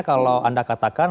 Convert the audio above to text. kalau anda katakan